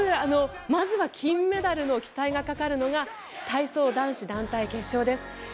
まずは金メダルの期待がかかるのが体操男子団体決勝です。